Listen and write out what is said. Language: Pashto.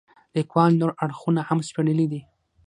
لیکوال نور اړخونه هم سپړلي دي.